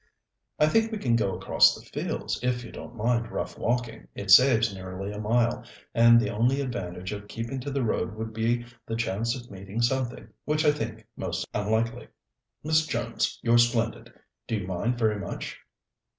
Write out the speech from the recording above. "I think we can go across the fields, if you don't mind rough walking. It saves nearly a mile, and the only advantage of keeping to the road would be the chance of meeting something, which I think most unlikely. Miss Jones, you're splendid. Do you mind very much?"